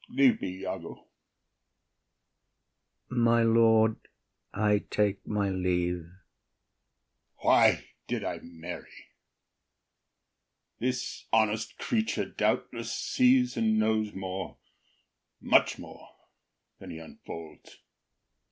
Leave me, Iago. IAGO. [Going.] My lord, I take my leave. OTHELLO. Why did I marry? This honest creature doubtless Sees and knows more, much more, than he unfolds.